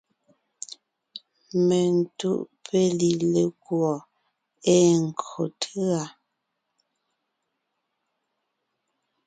Mentúʼ péli lekùɔ ée nkÿo tʉ̂a.